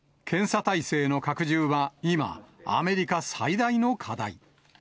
検査体制の拡充は今、アメリカ最大の課題。